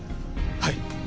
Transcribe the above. はい！